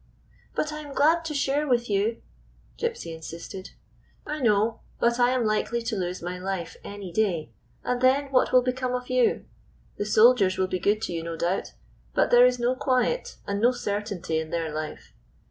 " But I am glad to share with you," Gypsy insisted. GYPSY, THE TALKING DOG " I know. But I am likely to lose my life any day, and then what will become of you ? The soldiers will be good to you, no doubt, but there is no quiet and no certainty in their life.